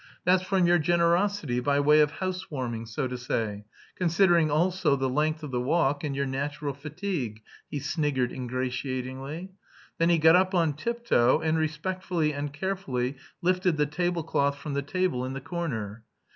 "That's from your generosity, by way of house warming, so to say; considering also the length of the walk, and your natural fatigue," he sniggered ingratiatingly. Then he got up on tiptoe, and respectfully and carefully lifted the table cloth from the table in the corner.